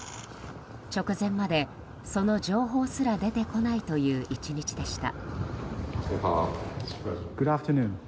直前まで、その情報すら出てこないという１日でした。